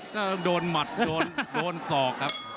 ต้องโดนหมัดโดนศอกครับ